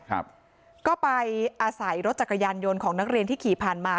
ครับก็ไปอาศัยรถจักรยานยนต์ของนักเรียนที่ขี่ผ่านมา